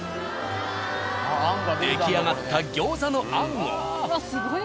出来上がった餃子のあんを。